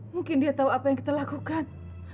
mungkin dia tahu apa yang kita lakukan